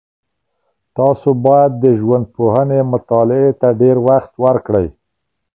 تاسو باید د ژوندپوهنې مطالعې ته ډېر وخت ورکړئ.